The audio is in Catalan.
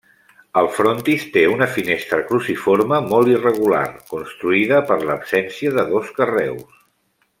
El frontis té una finestra cruciforme molt irregular, construïda per l'absència de dos carreus.